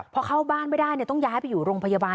พอเข้าบ้านไม่ได้ต้องย้ายไปอยู่โรงพยาบาล